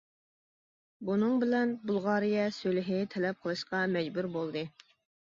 بۇنىڭ بىلەن بۇلغارىيە سۈلھى تەلەپ قىلىشقا مەجبۇر بولدى.